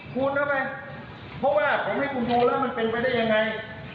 คุณเข้าไปเพราะว่าผมให้คุณดูแล้วมันเป็นไปได้ยังไง